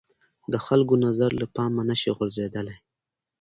د خلکو نظر له پامه نه شي غورځېدلای